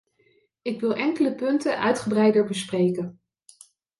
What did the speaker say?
Ik wil enkele punten uitgebreider bespreken.